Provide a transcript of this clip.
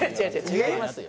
違いますよ。